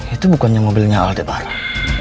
itu bukannya mobilnya aldebaran